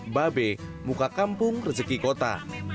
babe muka kampung rezeki kota